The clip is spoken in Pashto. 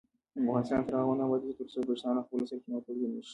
افغانستان تر هغو نه ابادیږي، ترڅو بریښنا له خپلو سرچینو تولید نشي.